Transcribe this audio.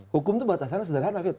hukum itu batasannya sederhana